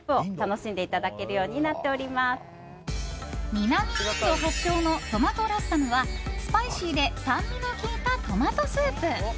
南インド発祥のトマトラッサムはスパイシーで酸味の効いたトマトスープ。